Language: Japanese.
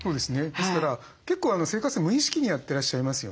ですから結構生活って無意識にやってらっしゃいますよね。